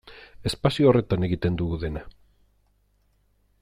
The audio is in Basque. Espazio horretan egiten dugu dena.